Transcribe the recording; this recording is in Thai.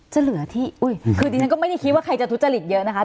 จะเหลือที่คือดิฉันก็ไม่ได้คิดว่าใครจะทุจริตเยอะนะคะ